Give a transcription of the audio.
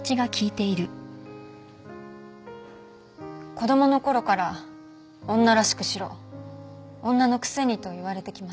子供の頃から「女らしくしろ」「女のくせに」と言われてきました。